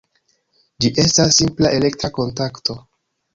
Ĝi estas simpla elektra kontakto.